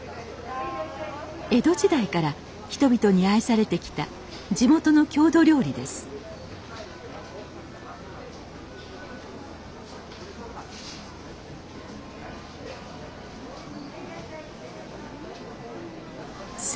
江戸時代から人々に愛されてきた地元の郷土料理ですさ